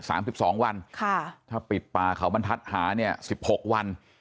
สิบสองวันค่ะถ้าปิดป่าเขาบรรทัศน์หาเนี่ยสิบหกวัน